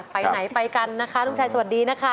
ไปไหนไปกันนะคะลูกชายสวัสดีนะคะ